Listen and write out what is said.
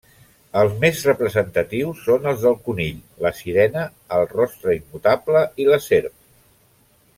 Els més representatius són els del conill, la sirena, el rostre immutable i la serp.